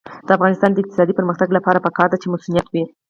د افغانستان د اقتصادي پرمختګ لپاره پکار ده چې مصونیت وي.